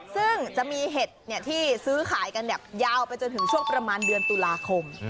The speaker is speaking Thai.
ซึ่งจะมีเห็ดที่ซื้อขายกันแบบยาวไปจนถึงช่วงประมาณเดือนตุลาคม